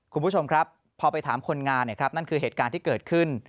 คุณผู้ชมครับพอไปถามคนงานนั่นคือเหตุการณ์ที่เกิดขึ้น